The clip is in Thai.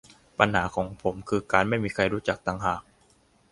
ปัญหาของผมคือการไม่มีใครรู้จักต่างหาก